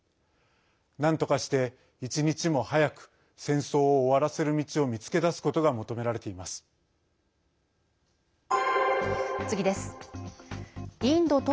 なんとかして、一日も早く戦争を終わらせる道を見つけ出すことが求められています。